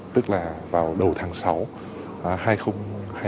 tức là vào đầu tháng sáu hai nghìn hai mươi